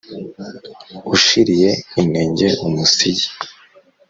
ushiriye inenge umusigi.